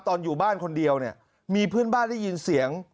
อยู่บ้านคนเดียวเนี่ยมีเพื่อนบ้านได้ยินเสียง